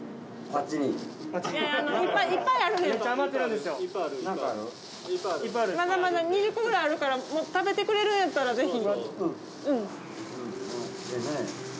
まだまだ２０個ぐらいあるから、もう、食べてくれるんやったらぜひ。